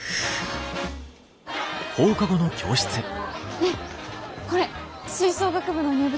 ねえこれ吹奏楽部の入部届。